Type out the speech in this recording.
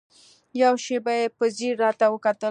يوه شېبه يې په ځير راته وکتل.